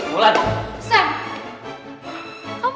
pasti dia bakalan sial